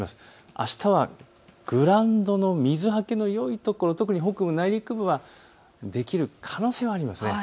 あしたはグラウンドの水はけのよいところ、特に北部、内陸部はできる可能性はあります。